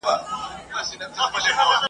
شپه په اوښکو لمبومه پروانې چي هېر مي نه کې !.